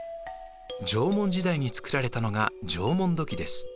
縄文時代に作られたのが縄文土器です。